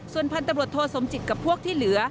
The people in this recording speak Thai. ส่วนพันธุ์ตำรวจโทสมจิตกับพวกที่เหลือ